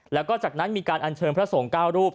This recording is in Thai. แล้วก็จากนั้นมีการอัญเชิญพระสงฆ์๙รูป